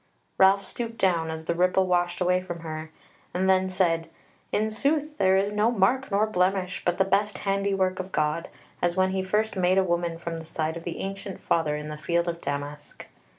Ralph stooped down as the ripple washed away from her, then said: "In sooth here is no mark nor blemish, but the best handiwork of God, as when he first made a woman from the side of the Ancient Father of the field of Damask.